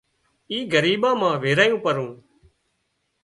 اِي ڳريٻان مان ويرايُون پرون